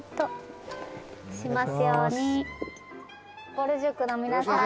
「ぼる塾の皆さんにも」